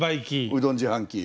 うどん自販機。